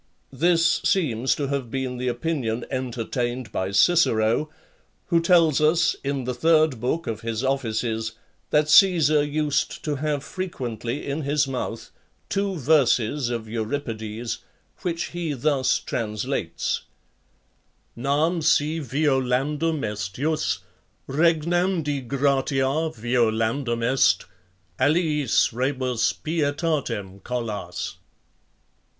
This seems to have been the opinion entertained by Cicero, who tells us, in the third book of his Offices, that Caesar used to have frequently in his mouth two verses of Euripides, which he thus translates: Nam si violandum est jus, regnandi gratia Violandum est: aliis rebus pietatem colas.